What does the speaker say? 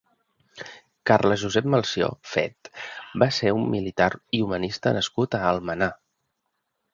Carles-Josep Melcior Fet va ser un militar i humanista nascut a Almenar.